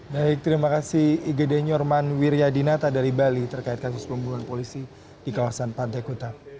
baik terima kasih igede nyorman wiryadinata dari bali terkait kasus pembunuhan polisi di kawasan pantai kuta